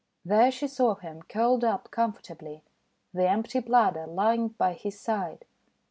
There she saw him curled up comfortably, the empty bladder lying by his side.